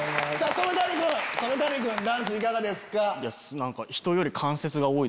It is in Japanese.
染谷君ダンスいかがですか？